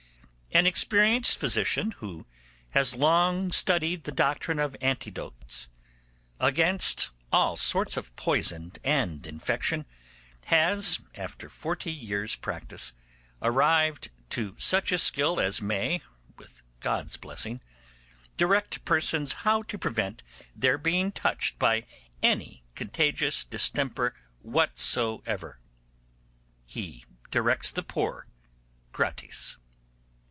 'An experienced physician, who has long studied the doctrine of antidotes against all sorts of poison and infection, has, after forty years' practice, arrived to such skill as may, with God's blessing, direct persons how to prevent their being touched by any contagious distemper whatsoever. He directs the poor gratis.